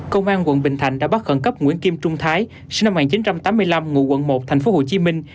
công an quận bình thạnh đã bắt khẩn cấp nguyễn kim trung thái sinh năm một nghìn chín trăm tám mươi năm ngụ quận một thành phố hồ chí minh